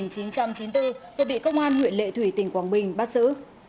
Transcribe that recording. tôi bị công an huyện lệ thủy tỉnh quảng bình bắt xử